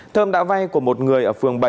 thơm đã vay của một người ở phường bảy